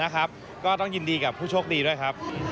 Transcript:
ก็ต้องยินดีกับผู้โชคดีด้วยครับ